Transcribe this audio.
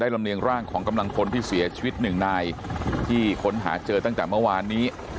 ลำเรียงร่างของกำลังพลที่เสียชีวิตหนึ่งนายที่ค้นหาเจอตั้งแต่เมื่อวานนี้